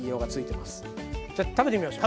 じゃあ食べてみましょう。